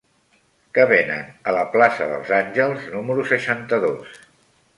Què venen a la plaça dels Àngels número seixanta-dos?